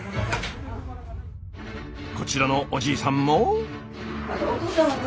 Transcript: こちらのおじいさんも。